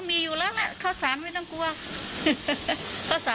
คิดว่ายังไงคุณก็ต้องมีมาเที่ยว